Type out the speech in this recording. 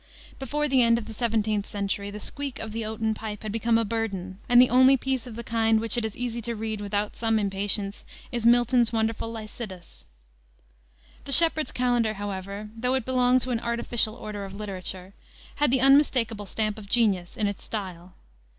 Before the end of the 17th century the squeak of the oaten pipe had become a burden, and the only piece of the kind which it is easy to read without some impatience is Milton's wonderful Lycidas. The Shepheard's Calendar, however, though it belonged to an artificial order of literature, had the unmistakable stamp of genius in its style.